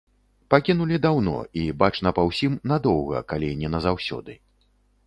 Пакінулі даўно, і бачна па ўсім, надоўга, калі не назаўсёды.